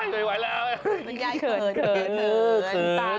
มันอยู่ไว้แล้วเกลือ